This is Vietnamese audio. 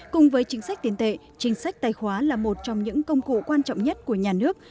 cùng với chính sách tiền tệ chính sách tài khoá là một trong những công cụ quan trọng nhất của nhà nước